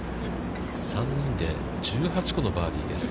３人で１８個のバーディーです。